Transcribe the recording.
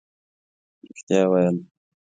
رښتیا ویل